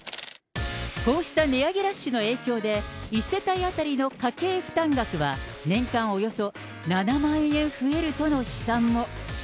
こうした値上げラッシュの影響で、１世帯当たりの家計負担額は、年間およそ７万円増えるとの試算も。